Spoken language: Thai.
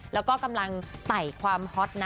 แล้วก็กำลังไต่ความฮอตนะ